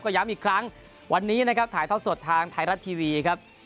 ย้ำอีกครั้งวันนี้นะครับถ่ายทอดสดทางไทยรัฐทีวีครับ